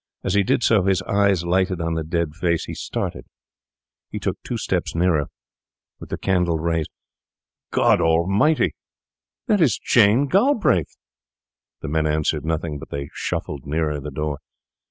As he did so his eyes lighted on the dead face. He started; he took two steps nearer, with the candle raised. 'God Almighty!' he cried. 'That is Jane Galbraith!' The men answered nothing, but they shuffled nearer the door.